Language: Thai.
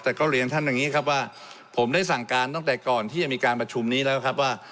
แต่ก็เรียนท่านอย่างนี้ครับว่าผมได้สั่งการตั้งแต่ก่อนที่จะมีการประชุมนี้แล้วครับว่า